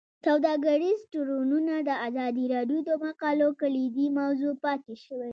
سوداګریز تړونونه د ازادي راډیو د مقالو کلیدي موضوع پاتې شوی.